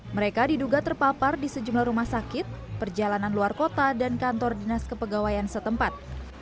mereka diduga terpapar di sejumlah rumah sakit perjalanan luar kota dan kantor dinas kepegawaian setempat